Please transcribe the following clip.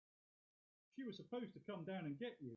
She was supposed to come down and get you.